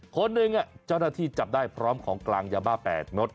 คนหนึ่งเจ้าหน้าที่จับได้พร้อมของกลางยาบ้า๘น็ด